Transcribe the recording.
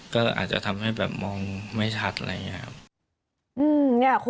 ก็อาจจะทำให้แบบมองไม่ชัดอะไรอย่างนี้ครับ